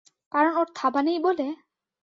কারণ ওর থাবা নেই বলে?